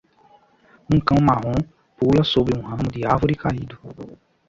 Um cão marrom pula sobre um ramo de árvore caído.